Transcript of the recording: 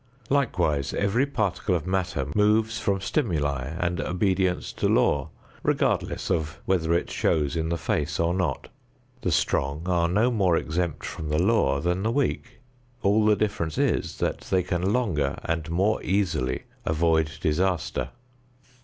Likewise every particle of matter moves from stimuli and obedience to law, regardless of whether it shows in the face or not. The strong are no more exempt from the law than the weak. All the difference is that they can longer and more easily avoid disaster.